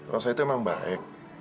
rosa itu emang baik